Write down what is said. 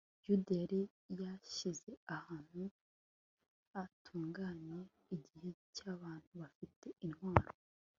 yuda yari yashyize ahantu hatunganye igico cy'abantu bafite intwaro